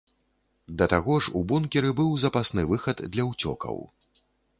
Да таго ж у бункеры быў запасны выхад для ўцёкаў.